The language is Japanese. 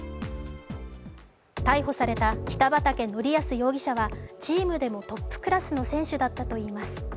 逮捕された北畠成文容疑者は、チームでもトップクラスの選手だったといいます。